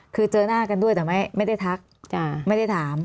คือเจอหน้ากันด้วยแต่ไม่ได้ทักไม่ได้ถาม